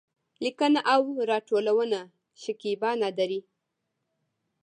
لیکنه او راټولونه: شکېبا نادري